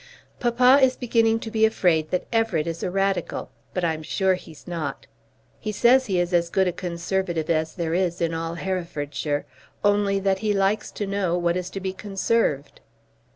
Papa is beginning to be afraid that Everett is a Radical. But I'm sure he's not. He says he is as good a Conservative as there is in all Herefordshire, only that he likes to know what is to be conserved.